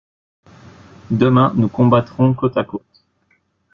Demain, nous combattrons côte à côte.